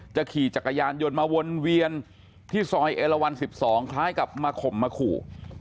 ขี่จักรยานยนต์มาวนเวียนที่ซอยเอลวัน๑๒คล้ายกับมาข่มมาขู่